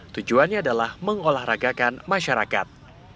tujuannya adalah mengolahragakan masyarakat